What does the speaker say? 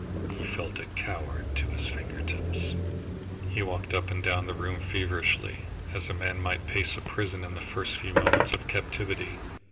He felt a coward to his fingertips... He walked up and down the room feverishly, as a man might pace a prison in the first few moments of captivity.